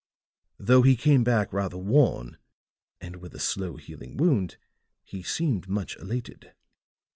Though he came back rather worn and with a slow healing wound, he seemed much elated.